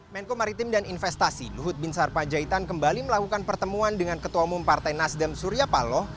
menko maritim dan investasi luhut bin sarpajaitan kembali melakukan pertemuan dengan ketua umum partai nasdem surya paloh